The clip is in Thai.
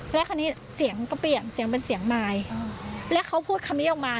แล้วคราวนี้เสียงก็เปลี่ยนเสียงเป็นเสียงมายแล้วเขาพูดคำนี้ออกมา